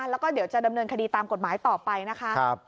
แล้วก็เดี๋ยวจะดำเนินคดีตามกฎหมายต่อไปนะคะ